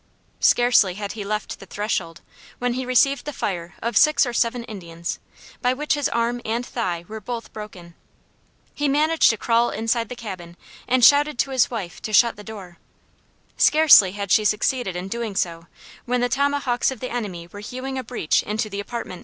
Scarcely had he left the threshold, when he received the fire of six or seven Indians, by which his arm and thigh were both broken. He managed to crawl inside the cabin and shouted to his wife to shut the door. Scarcely had she succeeded in doing so when the tomahawks of the enemy were hewing a breach into the apartment.